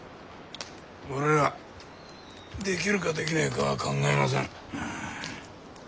俺らぁできるかできねえかは考えません。